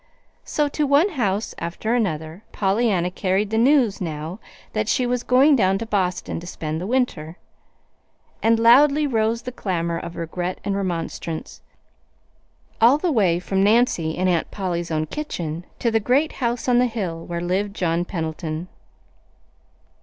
So to one house after another Pollyanna carried the news now that she was going down to Boston to spend the winter; and loudly rose the clamor of regret and remonstrance, all the way from Nancy in Aunt Polly's own kitchen to the great house on the hill where lived John Pendleton.